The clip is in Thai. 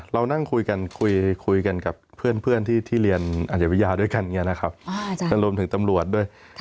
เรานั่งคุยกันคุยกันกับเพื่อนที่เรียนอาชวิทยาด้วยกันอย่างนี้นะครับรวมถึงตำรวจด้วย